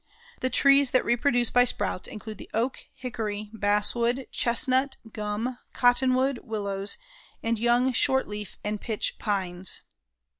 The trees that reproduce by sprouts include the oak, hickory, basswood, chestnut, gum, cottonwood, willows and young short leaf and pitch pines.